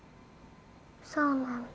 そうなんだ。